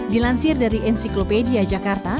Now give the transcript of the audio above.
dilansir dari encyclopedia jakarta